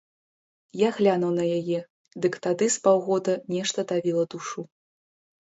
Я глянуў на яе, дык тады з паўгода нешта давіла душу.